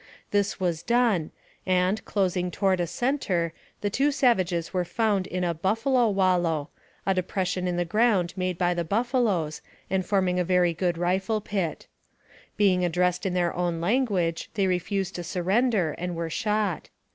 This was done, and, closing toward a center, the two savages were found in a " buffalo wallow," a depression in the ground made by the buffalos, and forming a very good rifle pit. Being addressed in their own language, they refused to surrender, and were shot.